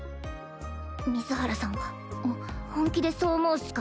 水原さんは本気でそう思うっスか？